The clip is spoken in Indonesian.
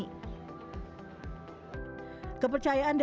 kepercayaan dan keinginan ekonomi indonesia